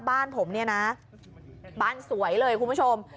บ้านผมเนี่ยนะบ้านสวยเลยคุณผู้ชม